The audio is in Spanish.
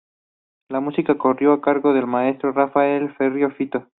La música corrió a cargo del Maestro Rafael Ferrer-Fitó.